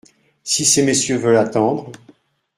Si ces messieurs veulent attendre ?